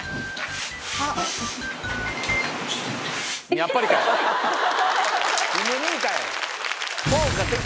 やっぱりかい！